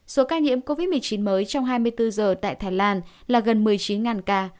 số ca nhiễm covid một mươi chín mới trong hai mươi bốn giờ tại thái lan là gần một mươi chín ca